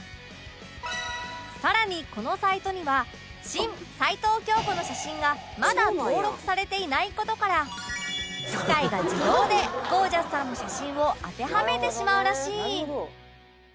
更にこのサイトには新齊藤京子の写真がまだ登録されていない事から機械が自動でゴージャスさんの写真を当てはめてしまうらしい